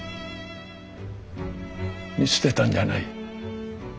「見捨てたんじゃない。